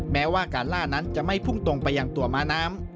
แม้ว่าการล่านั้นจะไม่พุ่งตรงไปยังตัวม้าน้ำ